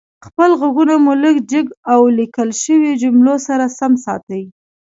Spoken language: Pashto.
خپل غږونه مو لږ جګ او ليکل شويو جملو سره سم ساتئ